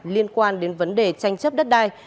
liên quan đến vấn đề tranh chấp đất đai